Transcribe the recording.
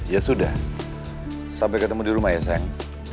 ya sudah sampai ketemu di rumah ya sang